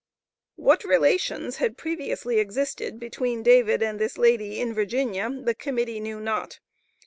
What relations had previously existed between David and this lady in Virginia, the Committee knew not.